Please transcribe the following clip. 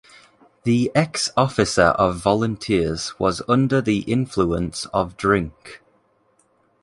The ex-officer of volunteers was under the influence of drink.